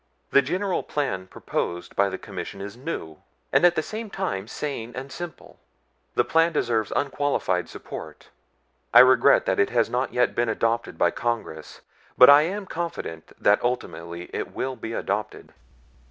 the general plan proposed by the Commission is new, and at the same time sane and simple. The plan deserves unqualified support. I regret that it has not yet been adopted by Congress, but I am confident that ultimately it will be adopted."